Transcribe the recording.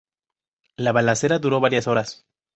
La balacera duró varias horas.